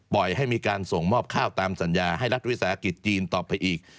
ปล่อยให้มีการส่งมอบข้าวตามสัญญาให้รัฐวิทยาศาสตร์จีนต่อไปอีก